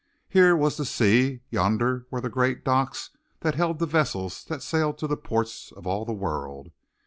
Here was the sea; yonder were the great docks that held the vessels that sailed to the ports of all the world.